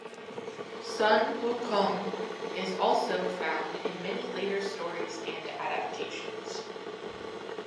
Sun Wukong is also found in many later stories and adaptations.